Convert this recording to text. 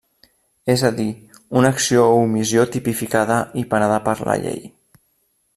És a dir, una acció o omissió tipificada i penada per la llei.